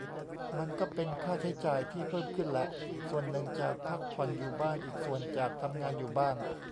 มันก็เป็นค่าใช้จ่ายที่เพิ่มขึ้นแหละ ส่วนหนึ่งจาก "พักผ่อนอยู่บ้าน" อีกส่วนจาก "ทำงานอยู่บ้าน"